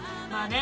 ね